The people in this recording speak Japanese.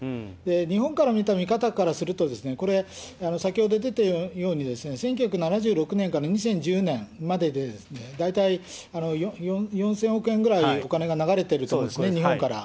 日本から見た見方からすると、これ、先ほど出たように、１９７６年から２０１０年までで大体４０００億円ぐらいお金が流れてると、日本から。